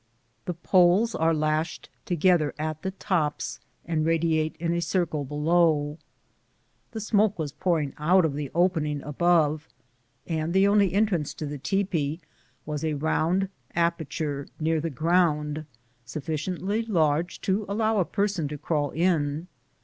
The poles are lashed together at the tops and radiate in a circle below. The smoke was pouring out of the opening above, and the only entrance to the tepee was a round aperture near the ground, sufficiently large to allow a person to crawl in.